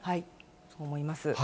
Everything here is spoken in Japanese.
そう思います。